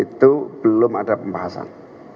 itu belum ada pembahasan